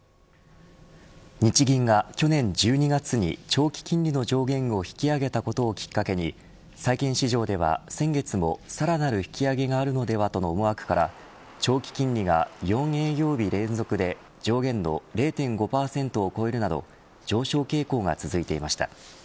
日銀が、去年１２月に長期金利の上限を引き上げたことをきっかけに債券市場では先月もさらなる引き上げがあるのではとの思惑から長期金利が４営業日連続で上限の０．５％を超えるなど上昇傾向が続いていました。